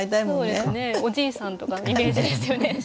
そうですねおじいさんとかのイメージですよね